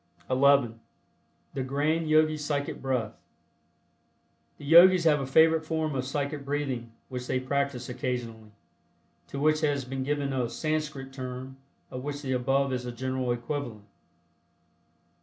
(11) THE GRAND YOGI PSYCHIC BREATH. The Yogis have a favorite form of psychic breathing which they practice occasionally, to which has been given a Sanscrit term of which the above is a general equivalent.